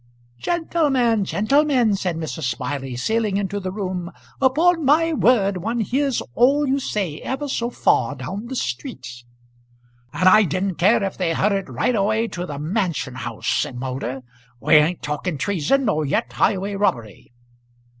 "Gentlemen, gentlemen!" said Mrs. Smiley, sailing into the room; "upon my word one hears all you say ever so far down the street." "And I didn't care if they heard it right away to the Mansion House," said Moulder. "We ain't talking treason, nor yet highway robbery."